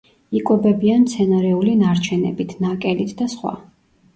იკვებებიან მცენარეული ნარჩენებით, ნაკელით და სხვა.